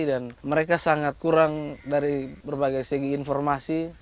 dan mereka sangat kurang dari berbagai segi informasi